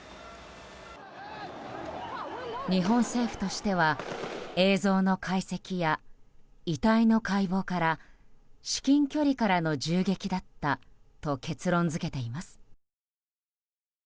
日本政府としては映像の解析や遺体の解剖から至近距離からの銃撃だったと結論付けています。